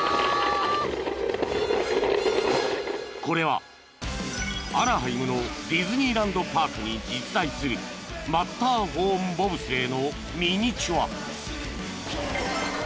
［これはアナハイムのディズニーランド・パークに実在するマッターホーン・ボブスレーのミニチュア］